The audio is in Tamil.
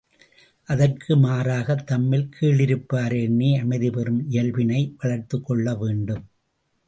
அதற்கு மாறாகத் தம்மில் கீழிருப்பாரை எண்ணி அமைதி பெறும் இயல்பினை வளர்த்துக் கொள்ள வேண்டும்.